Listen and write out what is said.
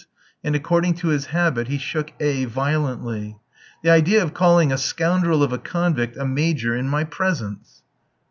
and according to his habit he shook A f violently. "The idea of calling a scoundrel of a convict a 'major' in my presence."